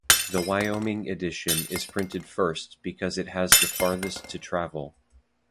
The Wyoming edition is printed first because it has the farthest to travel.